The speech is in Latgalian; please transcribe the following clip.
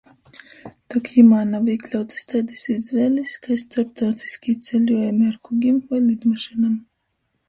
Tok jimā nav īkļautys taidys izvēlis kai storptautyskī ceļuojumi ar kugim voi lidmašynom.